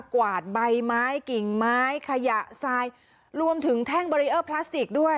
กวาดใบไม้กิ่งไม้ขยะทรายรวมถึงแท่งบารีเออร์พลาสติกด้วย